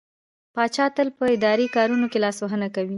پاچا تل په اداري کارونو کې لاسوهنه کوي.